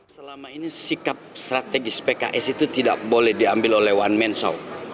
selama ini sikap strategis pks itu tidak boleh diambil oleh one man show